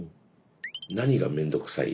何が面倒くさい？